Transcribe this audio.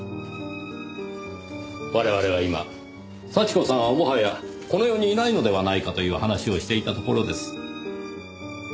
我々は今幸子さんはもはやこの世にいないのではないかという話をしていたところです。